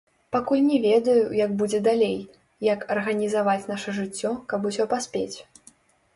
Пакуль не ведаю, як будзе далей, як арганізаваць наша жыццё, каб усё паспець.